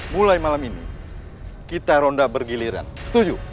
mulai malam ini kita ronda bergiliran setuju